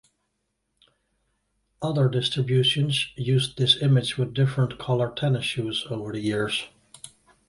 Other distributions used this image with different colored tennis shoes over the years.